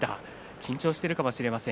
緊張してるかもしれません。